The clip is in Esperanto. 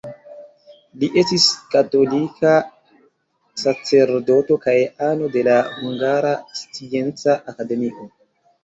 Li estis katolika sacerdoto kaj ano de la Hungara Scienca Akademio.